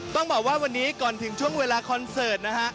ต้องบอกว่าวันนี้ก่อนถึงช่วงเวลาคอนเสิร์ตนะฮะ